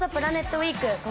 ウィーク。